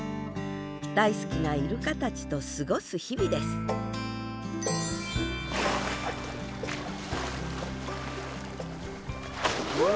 大好きなイルカたちと過ごす日々ですうわ！